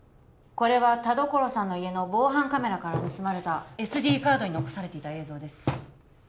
これは田所さんの家の防犯カメラから盗まれたＳＤカードに残されていた映像です